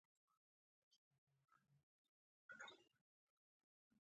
په دې توګه یې د مرکزي دولت د واک په ټینګولو لاس پورې کړ.